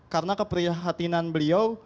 karena keprihatinan beliau